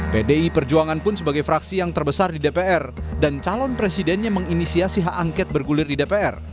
pdi perjuangan pun sebagai fraksi yang terbesar di dpr dan calon presidennya menginisiasi hak angket bergulir di dpr